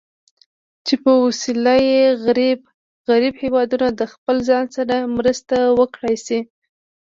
چې په وسیله یې غریب هېوادونه د خپل ځان سره مرسته وکړای شي.